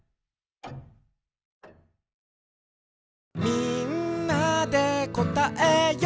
「みんなでこたえよう」キュー！